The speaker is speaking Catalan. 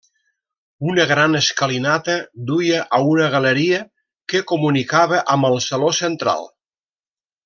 Una gran escalinata duia a una galeria que comunicava amb el saló central.